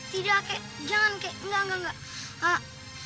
tidak kek jangan kek enggak enggak enggak